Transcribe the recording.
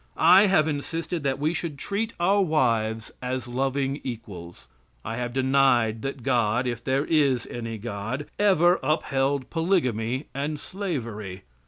I have insisted that we should treat our wives as loving equals. I have denied that God if there is any God ever upheld polygamy and slavery.